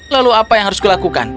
lalu apa yang harus kulakukan